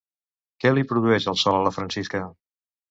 Què li produeix el sol a la Francisca?